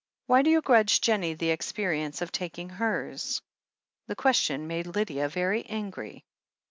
Why do you grudge Jennie the experience of taking hers?" The question made Lydia very angry.